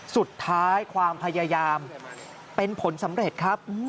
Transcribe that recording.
สุดท้ายความพยายามเป็นผลสำเร็จครับ